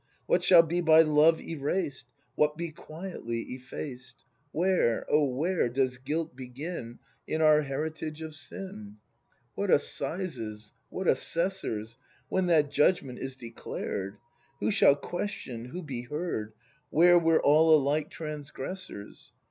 What shall be by Love erased ? What be quietly effaced ? Where, O where, does guilt begin In our heritage of sin ? What Assizes, what Assessors, When that Judgment is declared ? Who shall question, who be heard. Where we're all alike transgressors.''